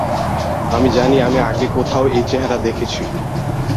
আমি জানি আমি আগে কোথাও এই চেহারা দেখেছি।